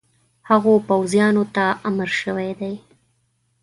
هغو پوځیانو ته امر شوی دی.